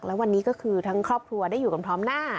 และวันนี้ก็คือทั้งครอบครัวได้อยู่กันพร้อมหน้า